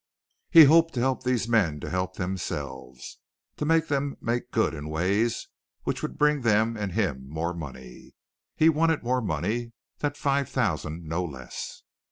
He hoped to help these men to help themselves; to make them make good in ways which would bring them and him more money. He wanted more money that five thousand, no less.